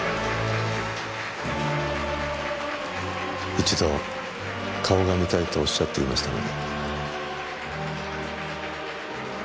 一度顔が見たいとおっしゃっていましたので。